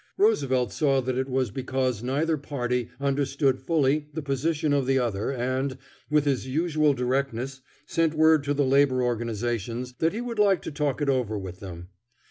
Roosevelt saw that it was because neither party understood fully the position of the other and, with his usual directness, sent word to the labor organizations that he would like to talk it over with them.